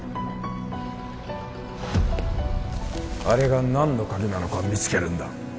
あれが何の鍵なのか見つけるんだ